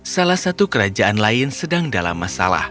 salah satu kerajaan lain sedang dalam masalah